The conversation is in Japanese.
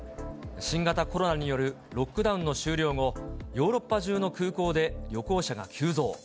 新型コロナによるロックダウンの終了後、ヨーロッパ中の空港で旅行者が急増。